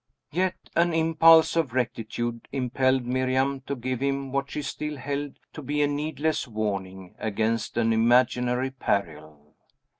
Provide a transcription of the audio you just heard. Yet an impulse of rectitude impelled Miriam to give him what she still held to be a needless warning against an imaginary peril.